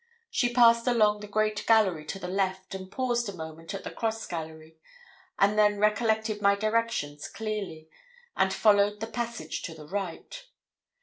She passed along the great gallery to the left, and paused a moment at the cross gallery, and then recollected my directions clearly, and followed the passage to the right.